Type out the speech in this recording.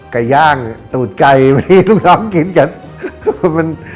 ไก่ย่างตูดไก่วันนี้ลูกน้องกินกัน